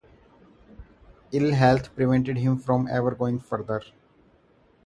Ill health prevented him from ever going further.